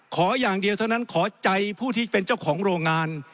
ขออย่างเดียวเท่านั้นขอใจผู้ที่เป็นเจ้าของโรงงาน